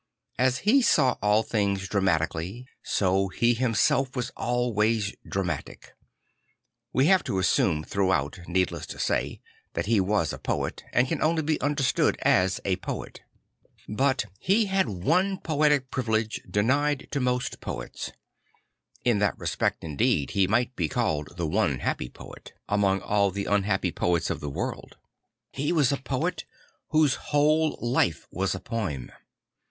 As he sawall things dramatically, so he himself was ahvays dramatic. \Ve have to assume throughout, needless to say, that he was a poet and can only be understood as a poet. But he had one poetic privilege denied to most poets In that respect indeed he might be called the one happy 102 St. Francis of Assisi poet among all the unhappy poets of the world. He was a poet whose whole life was a poem.